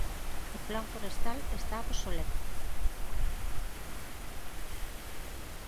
O Plan forestal está obsoleto.